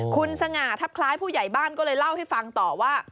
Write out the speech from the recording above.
คุณสง่าทัพคล้ายผู้ใหญ่บ้านก็เลยเล่าให้ฟังต่อว่า